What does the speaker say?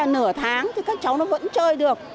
nửa tháng thì các cháu nó vẫn chơi được